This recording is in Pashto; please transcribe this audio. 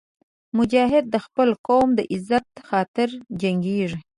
مجاهد د خپل قوم د عزت خاطر جنګېږي.